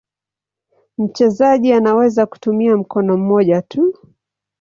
Mchezaji anaweza kutumia mkono mmoja tu.